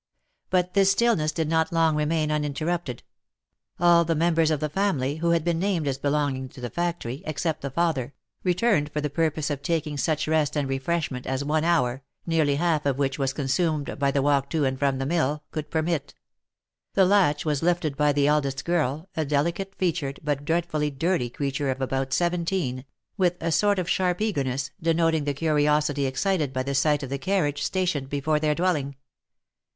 But this stillness did not long remain uninterrupted. All the members of the family, who had been named as belonging to the fac tory, except the father, returned for the purpose of taking such rest and refreshment as one hour (nearly half of which was consumed by the walk to and from the mill) could permit. The latch was lifted by the eldest girl, a delicate featured, but dreadfully dirty creature of about seventeen, with a sort of sharp eagerness, denoting the curiosity excited by the sight of the carriage stationed before their dwelling.